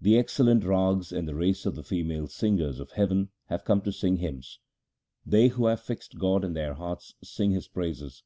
The excellent Rags and the race of the female singers of heaven have come to sing hymns. They who have fixed God in their hearts sing His praises.